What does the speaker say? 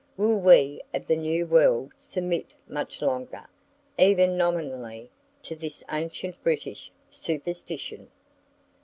Will we of the new world submit much longer, even nominally, to this ancient British superstition?